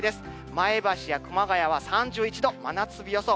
前橋や熊谷は３１度、真夏日予想。